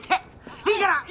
いいから今！